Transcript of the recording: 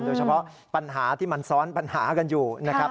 โดยเฉพาะปัญหาที่มันซ้อนปัญหากันอยู่นะครับ